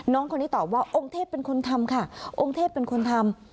น้องคนนี้ตอบว่าองค์เทพเป็นคนทำค่ะองค์เทพเป็นคนทำ